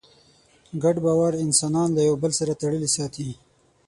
ګډ باور انسانان له یوه بل سره تړلي ساتي.